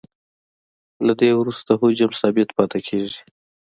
له دې وروسته حجم ثابت پاتې کیږي